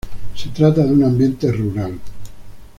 Se trata de un ambiente rural.